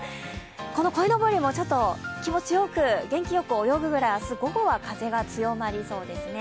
このこいのぼりもちょっと気持ちよく、元気よく泳ぐぐらい午後は風が強まりそうですね。